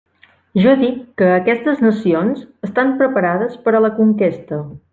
Jo dic que aquestes nacions estan preparades per a la conquesta.